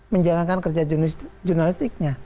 menjalankan kerja jurnalistiknya